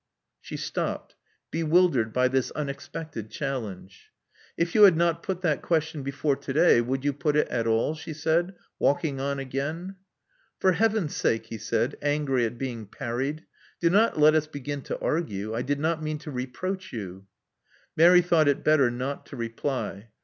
She stopped, bewildered by this unexpected challenge. If you had not put that question ' before today, would you put it at all?" she said, walking on again. For Heaven's sake," he said, angfry at being parried, do not let us begin to argue. I did not mean to reproach you." Mary thought it better not to reply.